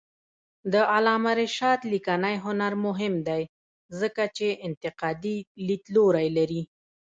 د علامه رشاد لیکنی هنر مهم دی ځکه چې انتقادي لیدلوری لري.